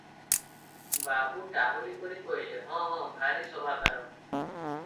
ବାବୁ ଟାହୁଲି କରି କହିଲେ - ହଁ, ହଁ, ଭାରି ଶୋଭାକାର ।